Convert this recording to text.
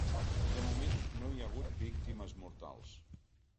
De moment no hi ha hagut víctimes mortals.